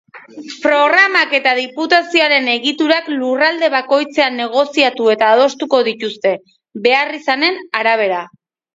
Programak eta diputazioaren egiturak lurralde bakoitzean negoziatu eta adostuko dituzte, beharrizanen arabera.